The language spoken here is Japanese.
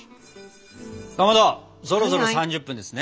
かまどそろそろ３０分ですね。